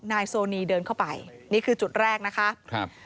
นายโซนีเดินเข้าไปนี่คือจุดแรกนะคะครับ